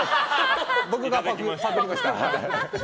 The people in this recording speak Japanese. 僕がパクりました。